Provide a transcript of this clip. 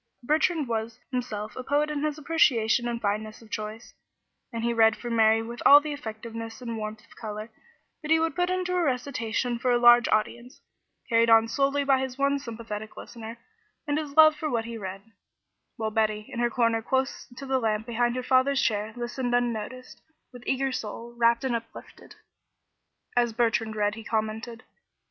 Bertrand was himself a poet in his appreciation and fineness of choice, and he read for Mary with all the effectiveness and warmth of color that he would put into a recitation for a large audience, carried on solely by his one sympathetic listener and his love for what he read; while Betty, in her corner close to the lamp behind her father's chair, listened unnoticed, with eager soul, rapt and uplifted. As Bertrand read he commented.